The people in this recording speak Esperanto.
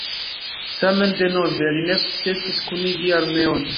Tamen denove li ne sukcesis kunigi armeon.